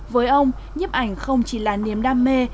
với ông nhếp ảnh không chỉ là niềm đam mê